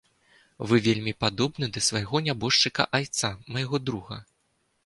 Вы вельмі падобны да свайго нябожчыка айца, майго друга.